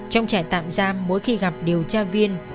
trong trại tạm giam mỗi khi gặp điều tra viên